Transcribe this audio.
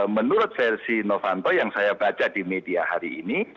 menurut versi novanto yang saya baca di media hari ini